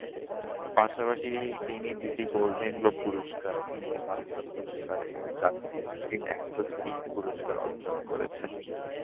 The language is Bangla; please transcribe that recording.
পাশাপাশি তিনি দুটি গোল্ডেন গ্লোব পুরস্কার, তিনটি বাফটা পুরস্কার, এবং চারটি স্ক্রিন অ্যাক্টরস গিল্ড পুরস্কার অর্জন করেছেন।